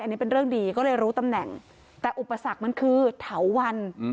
อันนี้เป็นเรื่องดีก็เลยรู้ตำแหน่งแต่อุปสรรคมันคือเถาวัน